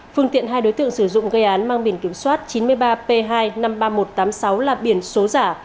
phương tiện hai đối tượng sử dụng gây án mang biển kiểm soát chín mươi ba p hai năm mươi ba nghìn một trăm tám mươi sáu là biển số giả